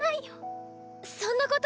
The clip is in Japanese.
そんなこと。